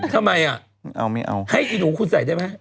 ทำไมอ่ะเอาไม่เอาให้อีหนูคุณใส่ได้ไหม